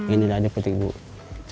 ini adalah putih saya